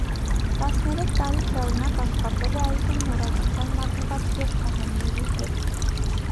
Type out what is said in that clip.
Տասներեք տարի շարունակ աշխատել է այժմ մոռացության մատնված երգահանների հետ։